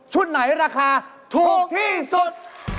ไหนราคาถูกที่สุด